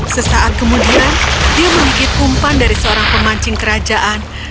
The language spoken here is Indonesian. sesaat kemudian dia melikit kumpan dari seorang pemancing kerajaan